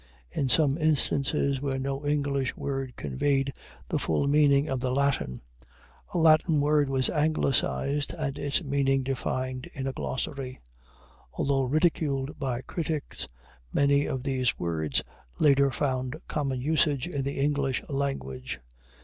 In some instances where no English word conveyed the full meaning of the Latin, a Latin word was Anglicized and its meaning defined in a glossary. Although ridiculed by critics, many of these words later found common usage in the English language.